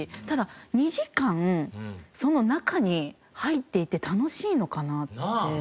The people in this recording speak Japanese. ただ２時間その中に入っていて楽しいのかなって。